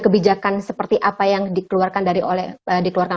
kebijakan seperti apa yang dikeluarkan